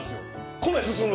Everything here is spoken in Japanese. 米進む！